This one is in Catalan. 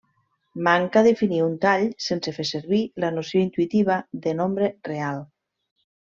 Manca definir un tall sense fer servir la noció intuïtiva de nombre real.